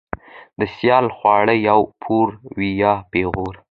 ـ د سيال خواړه يا پور وي يا پېغور.